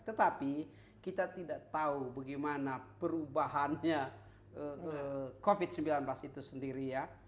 tetapi kita tidak tahu bagaimana perubahannya covid sembilan belas itu sendiri ya